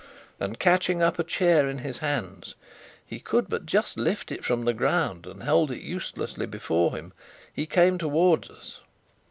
and catching up a chair in his hands (he could but just lift it from the ground and hold it uselessly before him) he came towards us.